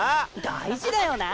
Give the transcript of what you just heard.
大事だよな。